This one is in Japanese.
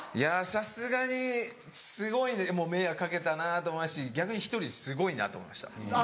さすがにすごい迷惑掛けたなと思いますし逆に１人ですごいなと思いました今。